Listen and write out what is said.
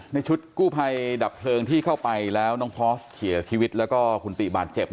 ในชุดกู้ภัยดับเพลิงที่เข้าไปแล้วน้องพอสเสียชีวิตแล้วก็คุณติบาดเจ็บ